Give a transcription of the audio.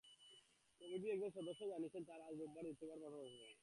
কমিটির একজন সদস্য জানিয়েছেন, তাঁরা আজ রোববার তৃতীয়বারের মতো বসছেন।